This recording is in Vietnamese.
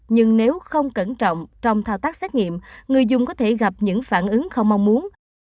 nhưng nếu không cẩn trọng trong thao tác xét nghiệm người dùng có thể gặp những phản ứng không mong muốn